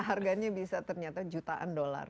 harganya bisa ternyata jutaan dolar